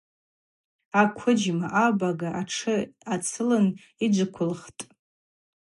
Аквыджьма, абага, атшы ацылын йджвыквылхтӏ.